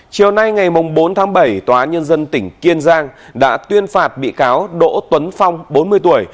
chiều nay ngày bốn tháng bảy tòa án nhân dân tỉnh kiên giang đã tuyên phạt bị cáo đỗ tuấn phong bốn mươi tuổi